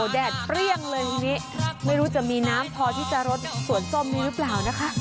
แดดเปรี้ยงเลยไม่รู้จะมีน้ำเผาพอที่จะยอดสวนสมนี่สวทนี้หรือเปล่า